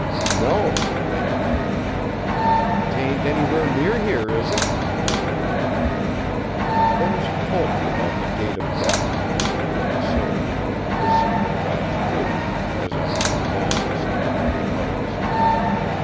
'No,' they answered. ''Tain't anywhere near here, is it?' I went on. Then she told me about the gate of death, and began sowing in me the seed of God's truth as I know now the seed of many harvests.